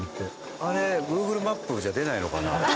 あれＧｏｏｇｌｅマップじゃ出ないのかな？